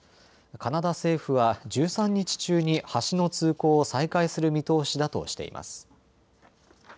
カナダ政府は１３日中に橋の通行を再開する見通しだとしています。